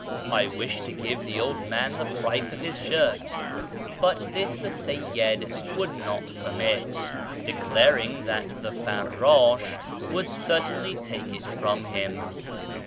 I wished to give the old man the price of his shirt, but this the Seyyid would not permit, declaring that the farrdsh would certainly take it from him.